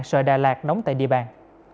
sợi đà lạt nóng tại địa bàn